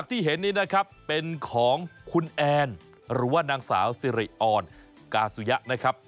ที่เห็นนี้นะครับเป็นของคุณแอนหรือว่านางสาวสิริออนกาสุยะนะครับ